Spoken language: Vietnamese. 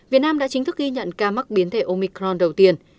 việt nam đã chính thức ghi nhận ca mắc biến thể omicron đầu tiên